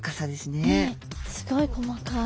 ねっすごい細かい。